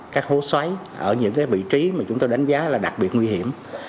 các hố xoáy ở những vị trí mà chúng tôi đánh giá là đặc biệt nguy hiểm